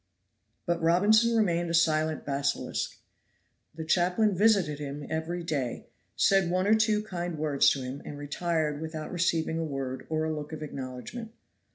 But Robinson remained a silent basilisk. The chaplain visited him every day, said one or two kind words to him and retired without receiving a word or a look of acknowledgment.